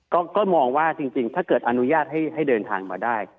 ก็มองว่าจริงถ้าเกิดอนุญาตให้เดินทางมาได้